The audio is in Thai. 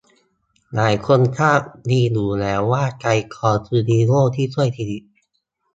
หลายคนทราบดีอยู่แล้วว่าไกรทองคือฮีโร่ที่ช่วยชีวิต